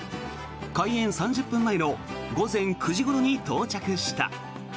開園３０分前の午前９時ごろに到着した。